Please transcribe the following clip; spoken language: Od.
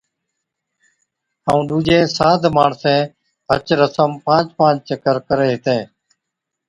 ائُون ڏُوجين ساڌ ماڻسين ھچ رسم پانچ پانچ چڪر ڪرين ھِتين